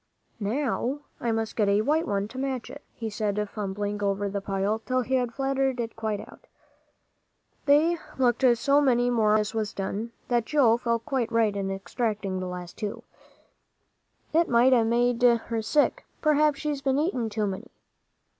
"Now I must get a white one to match it," he said, fumbling over the pile till he had flattened it quite out. They looked so many more when this was done, that Joel felt quite right in extracting the last two. "It might a' made her sick. P'r'aps she's been eating too many."